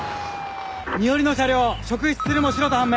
似寄りの車両職質するもシロと判明。